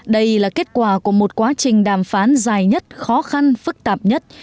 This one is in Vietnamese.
đây là kết quả của một quá trình đàm phán dài nhất khó khăn phức tạp nhất